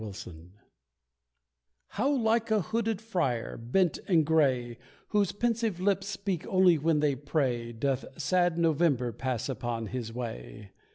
NOVEMBER How like a hooded friar, bent and grey, Whose pensive lips speak only when they pray Doth sad November pass upon his way.